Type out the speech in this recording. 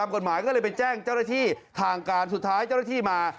กฎหมายก็เลยไปแจ้งเจ้าหน้าที่ทางการสุดท้ายเจ้าหน้าที่มา